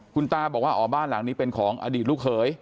คุณตาบอกว่าอ๋อบ้านหลังนี้เป็นของอดีตลูกเขย